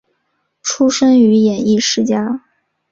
出身于演艺世家。